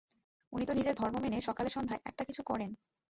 উনি তো নিজের ধর্ম মেনে সকালে সন্ধ্যায় একটা-কিছু করেন।